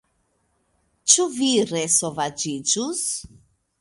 Ĉu vi resovaĝiĝus?